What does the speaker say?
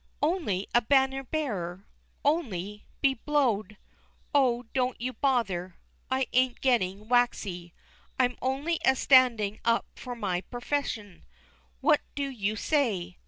Only a banner bearer! "Only," be blow'd! Oh, don't you bother, I ain't getting waxy. I'm only a standin' up for my purfession. What do you say?